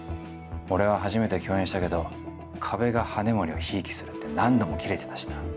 俺は初めて共演したけど加部が羽森をひいきするって何度もキレてたしな。